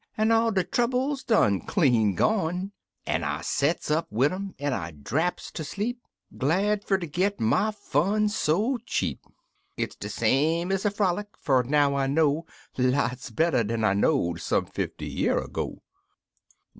An' all der troubles done clean gone, An' [ sets up wid urn, er I draps ter sleep, Glad fer ler git my fun so cheap; It's de same ez a frolic — fer now I know Lots better dan I know'd some fifty year ago.